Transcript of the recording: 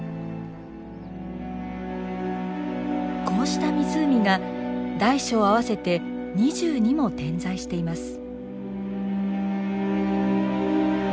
こうした湖が大小合わせて２２も点在しています。